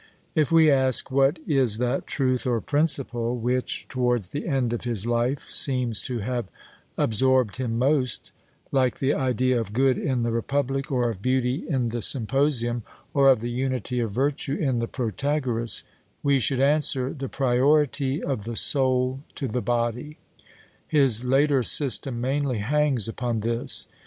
If we ask what is that truth or principle which, towards the end of his life, seems to have absorbed him most, like the idea of good in the Republic, or of beauty in the Symposium, or of the unity of virtue in the Protagoras, we should answer The priority of the soul to the body: his later system mainly hangs upon this.